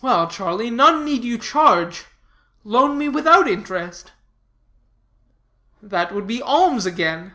"Well, Charlie, none need you charge. Loan me without interest." "That would be alms again."